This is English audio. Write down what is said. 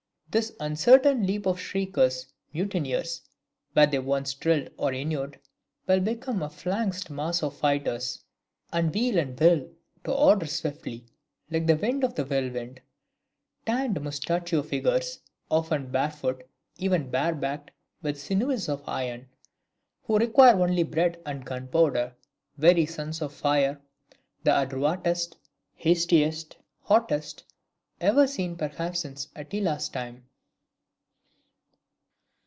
This uncertain heap of shriekers, mutineers, were they once drilled and inured, will become a phalanxed mass of fighters; and wheel and whirl to order swiftly, like the wind or the whirlwind; tanned mustachio figures; often barefoot, even barebacked, with sinews of iron; who require only bread and gunpowder; very sons of fire; the adroitest, hastiest, hottest, ever seen perhaps since Attila's time."